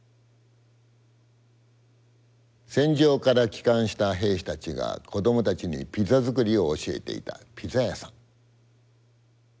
戦場から帰還した兵士たちが子どもたちにピザ作りを教えていたピザ屋さん。